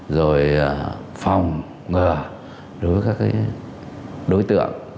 rồi phòng ngừa đối với các đối tượng